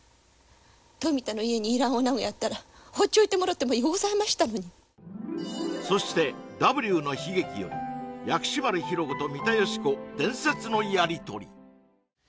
富田の家にいらんおなごやったらほっちょいてもろてもよございましたのにそして「Ｗの悲劇」より薬師丸ひろ子と三田佳子伝説のやり取り